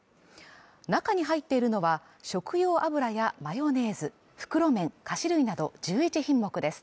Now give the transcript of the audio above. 中に入っているのは、食用油やマヨネーズ、袋麺、菓子類など１１品目です。